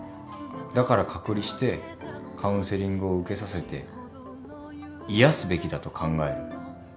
だから隔離してカウンセリングを受けさせて癒やすべきだと考える。